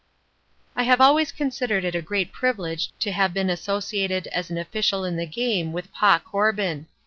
I have always considered it a great privilege to have been associated as an official in the game with Pa Corbin.